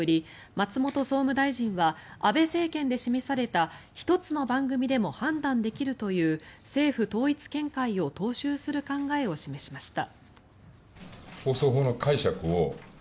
松本総務大臣は安倍政権で示された１つの番組でも判断できるという政府統一見解を踏襲する考えを示しました。